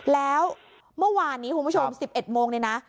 แล้วเมื่อวานนี้คุณผู้ชม๑๑โมงเนี่ยนะ